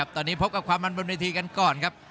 ตอนนี้พบกับความมันบนเวทีกันก่อนครับ